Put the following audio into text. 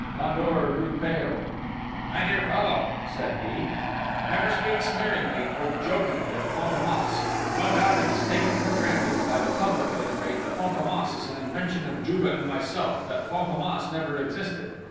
Fandor grew pale: "My dear fellow," said he, "never speak sneeringly or jokingly of Fantômas!... No doubt it is taken for granted, by the public at any rate, that Fantômas is an invention of Juve and myself: that Fantômas never existed!...